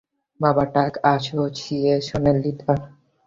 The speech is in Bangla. বাবা ট্রাক অ্যাসোসিয়েশনের লিডার।